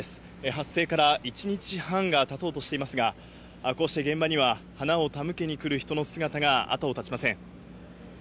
発生から一日半が経とうとしていますが、こうして現場には花を手向けに来る人の姿が後を絶ちません。